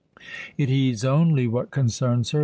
It heeds only what concerns her.